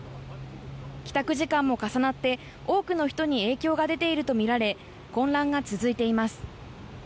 帰宅時間も重なって多くの人に影響が出ているとみられ混乱が続いています。